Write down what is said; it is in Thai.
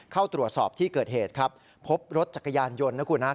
เข้าตรวจสอบที่เกิดเหตุครับพบรถจักรยานยนต์นะคุณฮะ